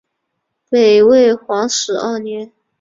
北魏皇始二年。